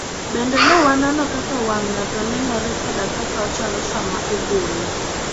bende ne wanono kaka wang' ng'ato nenore koda kaka ochalo sama ogolo